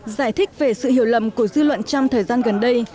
giải thích về sự hiểu lầm của dư luận trong thời gian gần đây